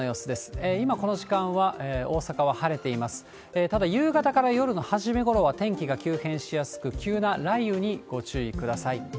では、夕方から夜の初め頃は天気が急変しやすく、急な雷雨にご注意ください。